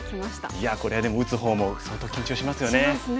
いやこれでも打つ方も相当緊張しますよね。